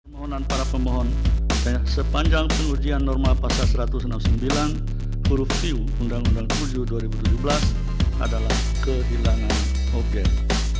mohonan para pemohon sepanjang pengujian norma pasal satu ratus enam puluh sembilan huruf q undang undang tujuh dua ribu tujuh belas adalah kehilangan obyek